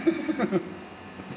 フフフ。